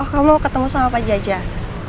oh kamu mau ketemu sama pak jajah